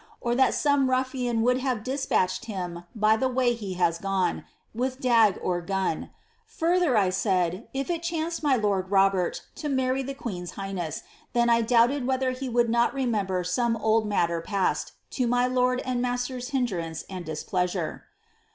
or that some ruffian would have despatched him by the way he has gone, with dagKe or gim. Further, I i*aid, if it chanced my lord Robert to marry the queen's highness, then I doubted whether he would not remember some old matter par^sed to my lord and master's hindrance and di:«pleasure.